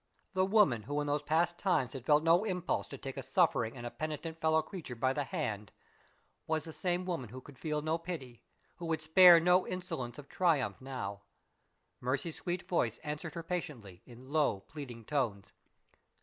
The woman who in those past times had felt no impulse to take a suffering and a penitent fellow creature by the hand was the same woman who could feel no pity, who could spare no insolence of triumph, now. Mercy's sweet voice answered her patiently, in low, pleading tones.